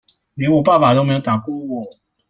連我爸爸都沒有打過我